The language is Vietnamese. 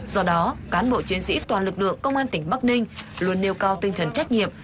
do đó cán bộ chiến sĩ toàn lực lượng công an tỉnh bắc ninh luôn nêu cao tinh thần trách nhiệm